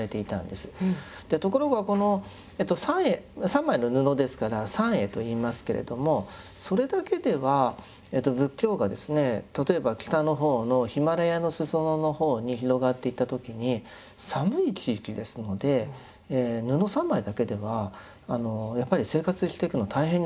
ところがこの３枚の布ですから３衣と言いますけれどそれだけでは仏教が例えば北の方のヒマラヤの裾野の方に広がっていった時に寒い地域ですので布３枚だけではやっぱり生活をしていくの大変になると思います。